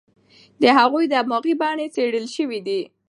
د هغوی دماغي بڼې څېړل شوې دي.